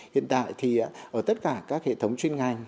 hiện tại thì ở tất cả các hệ thống chuyên ngành